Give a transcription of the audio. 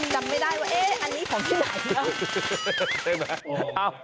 จำไม่ได้ว่าเอ๊ะอันนี้ของที่ไหนแล้ว